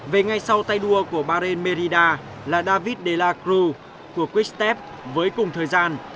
về ngay sau tay đua của baren merida là david delacruz của quickstep với cùng thời gian